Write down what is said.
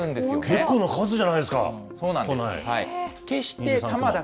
結構な数じゃないですか、都内。